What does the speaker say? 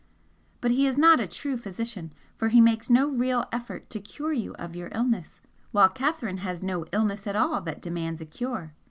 But he is not a true physician, for he makes no real effort to cure you of your illness, while Catherine has no illness at all that demands a cure.